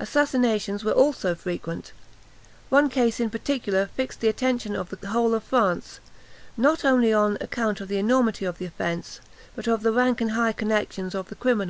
Assassinations were also frequent. One case in particular fixed the attention of the whole of France, not only on account of the enormity of the offence, but of the rank and high connexions of the criminal.